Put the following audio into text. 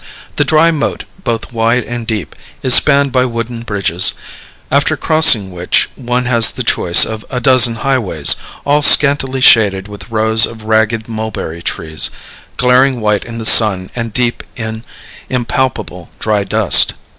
The dry moat, both wide and deep, is spanned by wooden bridges, after crossing which one has the choice of a dozen highways, all scantily shaded with rows of ragged mulberry trees, glaring white in the sun and deep in impalpable dry dust.